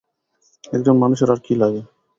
একজন মানুষের আর কী লাগে।